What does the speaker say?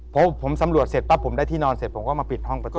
พอผมสำรวจเสร็จปั๊บผมได้ที่นอนเสร็จผมก็มาปิดห้องประตู